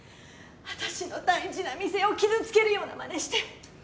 私の大事な店を傷つけるようなまねして